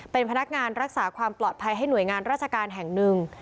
เป็นพนักงานรักษาความปลอดภัยให้หน่วยงานราชการแห่งหนึ่ง